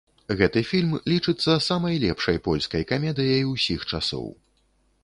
Гэты фільм лічыцца самай лепшай польскай камедыяй усіх часоў.